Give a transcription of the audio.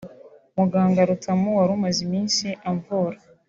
Muganga Rutamu wari umaze iminsi amvura